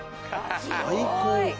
最高。